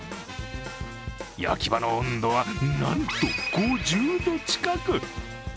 焼き場の温度はなんと５０度近く。